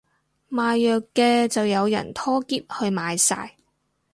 賣藥嘅就有人拖喼去買晒